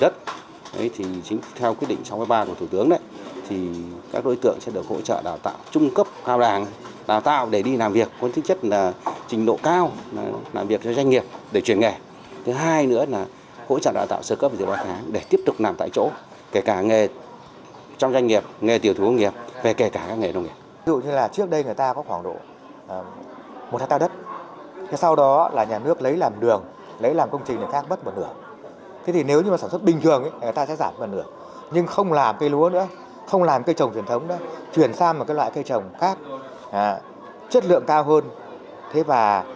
trong doanh nghiệp nghề tiểu thú công nghiệp về kể cả các nghề nông nghiệp